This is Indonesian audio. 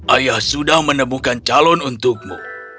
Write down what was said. ayah sudah menemukan calon untukmu